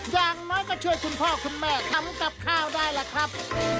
อย่างน้อยก็ช่วยคุณพ่อคุณแม่ทำกับข้าวได้ล่ะครับ